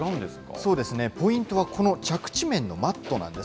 そうですね、ポイントは、この着地面のマットなんです。